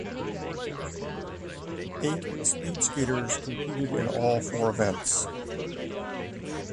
Eight speed skaters competed in all four events.